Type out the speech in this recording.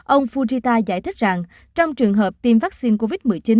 ông fujita giải thích rằng trong trường hợp tiêm vaccine covid một mươi chín